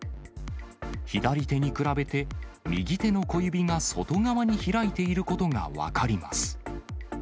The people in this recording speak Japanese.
左手に比べて、右手の小指が外側に開いていることが分かります。